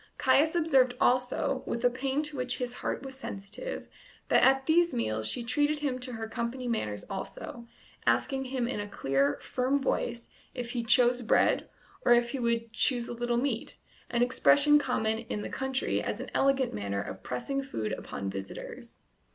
Caius observed also, with a pain to which his heart was sensitive, that at these meals she treated him to her company manners also, asking him in a clear, firm voice if he "chose bread" or if he would "choose a little meat," an expression common in the country as an elegant manner of pressing food upon visitors.